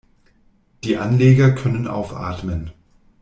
Die Anleger können aufatmen.